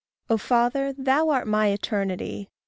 O Father, thou art my eternity.